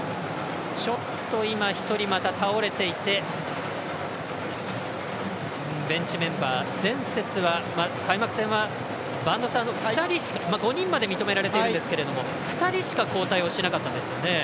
ちょっと１人倒れていてベンチメンバー、前節は開幕戦は、播戸さん５人まで認められてるんですけど２人までしか交代しなかったんですよね。